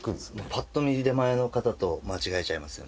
パッと見出前の方と間違えちゃいますよね。